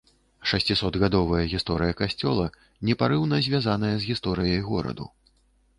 Шасцісотгадовая гісторыя касцёла непарыўна звязаная з гісторыяй гораду.